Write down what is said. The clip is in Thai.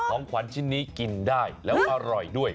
ของขวัญชิ้นนี้กินได้แล้วอร่อยด้วย